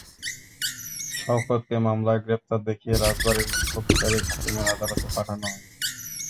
শওকতকে মামলায় গ্রেপ্তার দেখিয়ে রাজবাড়ীর মুখ্য বিচারিক হাকিমের আদালতে পাঠানো হয়েছে।